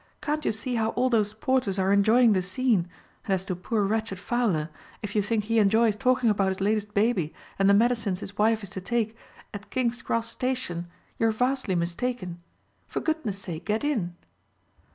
Can't you see how all those porters are enjoying the scene; and as to poor wretched Fowler, if you think he enjoys talking about his latest baby and the medicines his wife is to take, at King's Cross Station, you are vastly mistaken. For goodness' sake, get in."